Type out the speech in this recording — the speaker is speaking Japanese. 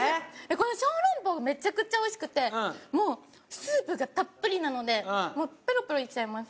このショウロンポウめちゃくちゃ美味しくてもうスープがたっぷりなのでペロッといっちゃいます。